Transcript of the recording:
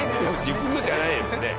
自分のじゃないもんね。